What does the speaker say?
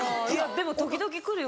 でも時々来るよ